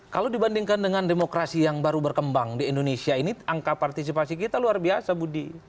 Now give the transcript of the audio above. kalau dibandingkan dengan demokrasi yang baru berkembang di indonesia ini angka partisipasi kita luar biasa budi